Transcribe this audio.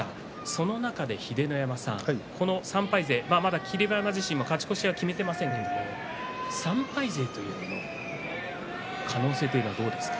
その中で秀ノ山さん、この３敗勢霧馬山、勝ち越しは決めていませんが３敗勢というのはどうですか？